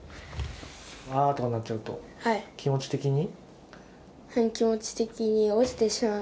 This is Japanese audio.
あとかなっちゃうとはい気持ち的に？